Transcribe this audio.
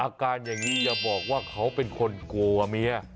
อาการอย่างนี้อย่าบอกว่าเขาเป็นคนกลัวเมีย